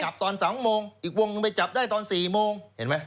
จับตอน๒โมงอีกวงไปจับได้ตอน๔โมงเห็นไหม